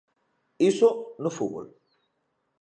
Iso no fútbol.